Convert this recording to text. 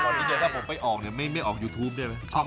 นิดเดียวถ้าผมไปออกเนี่ยไม่ออกยูทูปได้ไหม